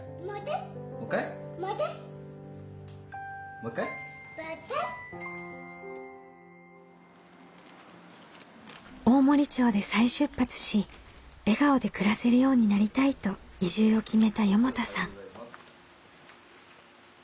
もう一回？大森町で再出発し笑顔で暮らせるようになりたいと移住を決めた四方田さん。